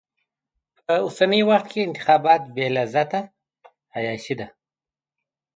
په اوسني وخت کې انتخابات بې لذته عياشي ده.